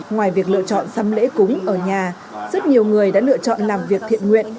ngoài việc lựa chọn xăm lễ cúng ở nhà rất nhiều người đã lựa chọn làm việc thiện nguyện